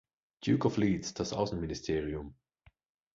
Duke of Leeds, das Außenministerium.